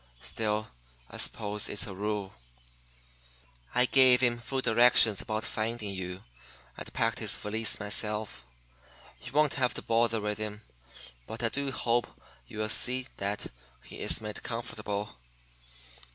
Still, I suppose it's a rule. "'I gave him full directions about finding you, and packed his valise myself. You won't have to bother with him; but I do hope you'll see that he is made comfortable.